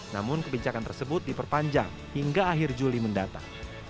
namun kebijakan tersebut diperpanjang hingga akhir juli mendatang